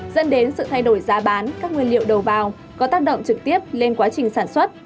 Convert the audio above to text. dẫn đến sự thay đổi giá bán các nguyên liệu đầu vào có tác động trực tiếp lên quá trình sản xuất